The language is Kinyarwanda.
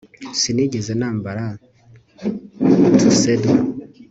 Sinigeze nambara tuxedo